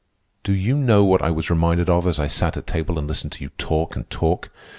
"Do you know what I was reminded of as I sat at table and listened to you talk and talk?